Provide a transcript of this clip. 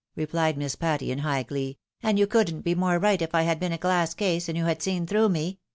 " replied Miss Patty, in high glee, " and you couldn't be more right if I had been a glass case,, and you had seen through me.